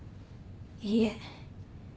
いいえ。